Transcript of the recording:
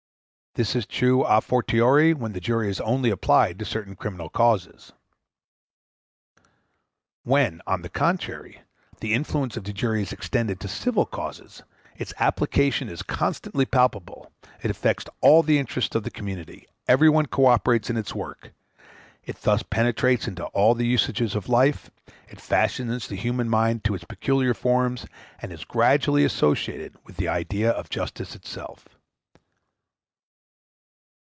This is true a fortiori when the jury is only applied to certain criminal causes. When, on the contrary, the influence of the jury is extended to civil causes, its application is constantly palpable; it affects all the interests of the community; everyone co operates in its work: it thus penetrates into all the usages of life, it fashions the human mind to its peculiar forms, and is gradually associated with the idea of justice itself.